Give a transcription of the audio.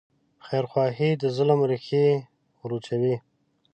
خیرخواهي د ظلم ریښې وروچوي.